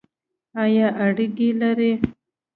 ایا اریګی لرئ؟